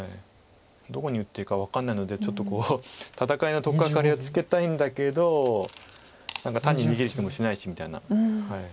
どこに打っていいか分かんないのでちょっと戦いの取っかかりをつけたいんだけど何か単に逃げる気もしないしみたいな。